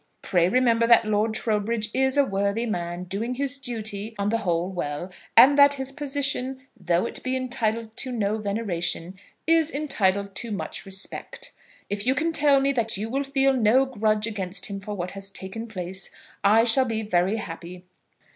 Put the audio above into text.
Pray remember that Lord Trowbridge is a worthy man, doing his duty on the whole well; and that his position, though it be entitled to no veneration, is entitled to much respect. If you can tell me that you will feel no grudge against him for what has taken place, I shall be very happy.